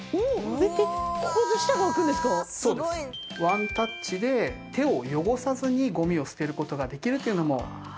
ワンタッチで手を汚さずにゴミを捨てる事ができるというのも。